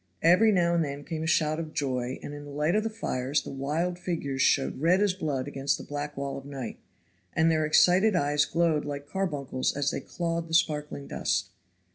Every now and then came a shout of joy, and, in the light of the fires, the wild figures showed red as blood against the black wall of night, and their excited eyes glowed like carbuncles as they clawed the sparkling dust.